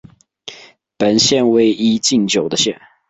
本县为一禁酒的县。